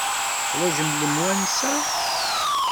Teḥwajem lemwansa?